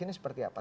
ini seperti apa